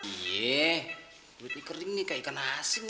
iya duitnya kering nih kayak ikan asing